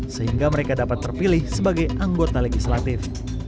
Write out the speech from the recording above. sehingga mereka dapat terpilih sebagai anggota legislatif